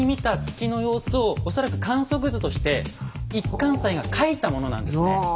恐らく観測図として一貫斎が描いたものなんですね。